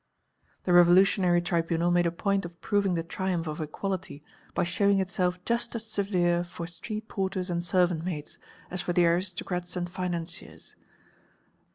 The Revolutionary Tribunal made a point of proving the triumph of Equality by showing itself just as severe for street porters and servant maids as for the aristocrats and financiers.